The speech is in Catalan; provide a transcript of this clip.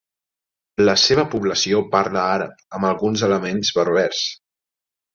La seva població parla àrab, amb alguns elements berbers.